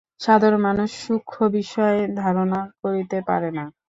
সাধারণ মানুষ সূক্ষ্ম বিষয় ধারণা করিতে পারে না।